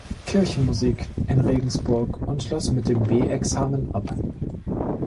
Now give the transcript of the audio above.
Kirchenmusik" in Regensburg und schloss mit dem B-Examen ab.